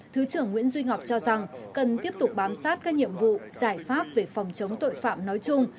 thứ trưởng nguyễn duy ngọc cho rằng cần tiếp tục bám sát các nhiệm vụ giải pháp về phòng chống tội phạm nói chung